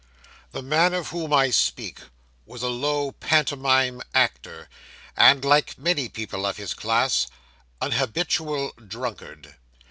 'The man of whom I speak was a low pantomime actor; and, like many people of his class, an habitual drunkard.